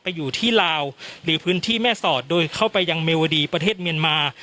อยู่ที่ลาวหรือพื้นที่แม่สอดโดยเข้าไปยังเมวดีประเทศเมียนมา